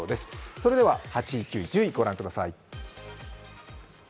それでは８位、９位、１０位をご覧ください。